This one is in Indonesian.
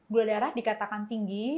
gula darah dikatakan tinggi